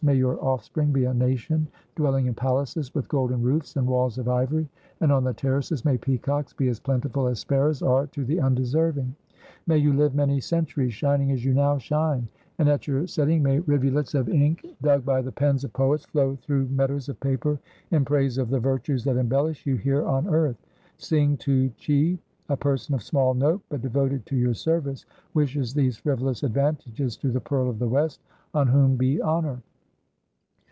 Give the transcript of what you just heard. May your offspring be a nation dwelling in palaces with golden roofs and walls of ivory, and on the terraces may peacocks be as plentiful as sparrows are to the undeserving. May you live many centuries shining as you now shine; and at your setting may rivulets of ink dug by the pens of poets flow through meadows of paper in praise of the virtues that embellish you here on earth. Sing tu Che, a person of small note but devoted to your service, wishes these frivolous advantages to the Pearl of the West, on whom be honor."